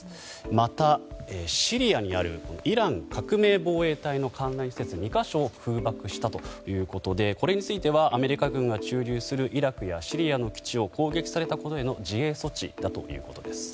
またシリアにあるイラン革命防衛隊の関連施設２か所を空爆したということでこれについてはアメリカ軍が駐留するイラクやシリアの基地を攻撃されたことへの自衛措置だということです。